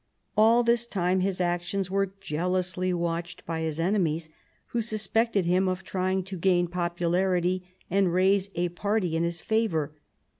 All this time his actions were jealously watched by his enemies, who suspected him of trying to gain popularity and raise up a party in his favour.